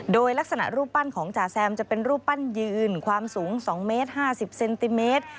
โดยลักษณะรูปปั้นของจ่าแซมจะเป็นรูปปั้นยืนความสูง๒เมตร๕๐เซนติเมตร